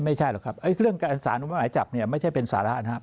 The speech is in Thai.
ไม่ใช่ครับระยะทุกอย่างจากสารออกไม้จับไม่ใช่เป็นศาลหานครับ